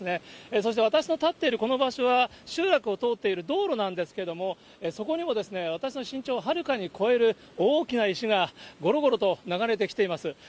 そして私の立っているこの場所は、集落を通っている道路なんですけれども、そこにも私の身長をはるかに超える大きな石がごろごろと流れてきています。